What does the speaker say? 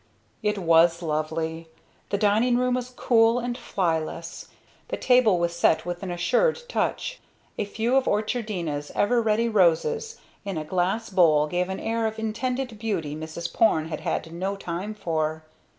It was lovely. The dining room was cool and flyless. The table was set with an assured touch. A few of Orchardina's ever ready roses in a glass bowl gave an air of intended beauty Mrs. Porne had had no time for.